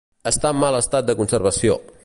Està en mal estat de conservació.